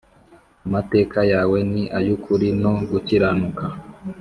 amateka yawe ni ay’ukuri no gukiranuka.